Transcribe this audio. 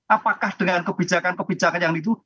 apakah dengan kebijakan kebijakan yang itu